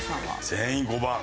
全員５番。